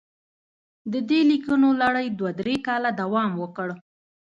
د دې لیکونو لړۍ دوه درې کاله دوام وکړ.